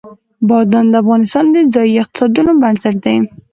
بادام د افغانستان د ځایي اقتصادونو بنسټ دی.